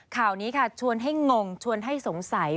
ข่าวนี้ค่ะชวนให้งงชวนให้สงสัย